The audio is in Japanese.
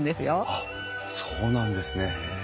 あっそうなんですね。